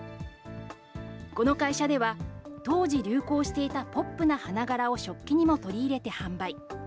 この会社では、当時流行していたポップな花柄を食器にも取り入れて販売。